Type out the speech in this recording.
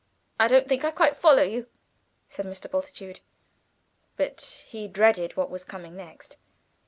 "I don't think I quite follow you," said Mr. Bultitude. But he dreaded what was coming next.